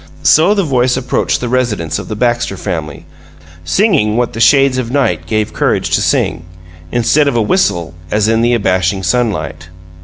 So the voice approached the residence of the Baxter family, singing what the shades of night gave courage to sing instead of whistle, as in the abashing sunlight.